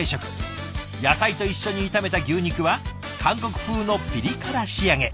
野菜と一緒に炒めた牛肉は韓国風のピリ辛仕上げ。